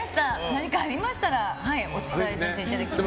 何かありましたらお伝えさせていただきます。